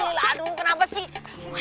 lila aduh kenapa sih